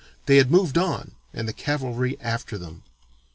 They had moved on and the cavalry after them.